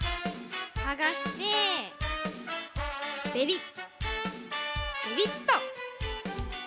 はがしてベリッベリッと！